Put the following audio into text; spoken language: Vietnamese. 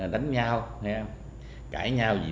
đánh nhau cãi nhau